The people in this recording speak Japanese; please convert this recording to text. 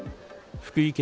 福井県